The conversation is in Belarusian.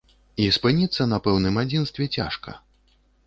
І спыніцца на пэўным адзінстве цяжка.